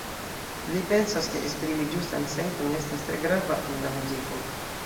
Li pensas, ke esprimi ĝustan senton estas tre grava en la muziko.